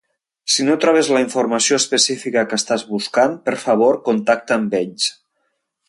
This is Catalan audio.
Si no trobes la informació específica que estàs buscant, per favor contacta amb ells.